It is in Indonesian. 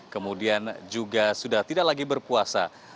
kemudian juga sudah tidak lagi berpuasa